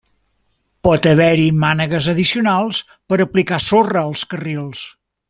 Pot haver-hi mànegues addicionals per aplicar sorra als carrils.